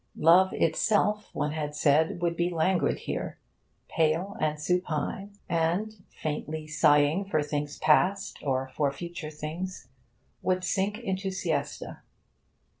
Love itself, one had said, would be languid here, pale and supine, and, faintly sighing for things past or for future things, would sink into siesta.